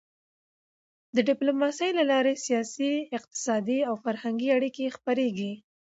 د ډيپلوماسی له لارې سیاسي، اقتصادي او فرهنګي اړیکې پراخېږي.